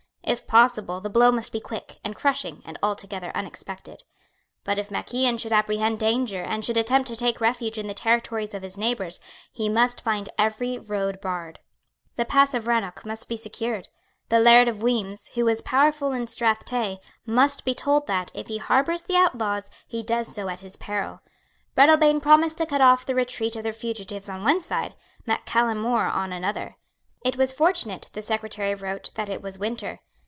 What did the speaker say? If possible, the blow must be quick, and crushing, and altogether unexpected. But if Mac Ian should apprehend danger and should attempt to take refuge in the territories of his neighbours, he must find every road barred. The pass of Rannoch must be secured. The Laird of Weems, who was powerful in Strath Tay, must be told that, if he harbours the outlaws, he does so at his peril. Breadalbane promised to cut off the retreat of the fugitives on one side, Mac Callum More on another. It was fortunate, the Secretary wrote, that it was winter.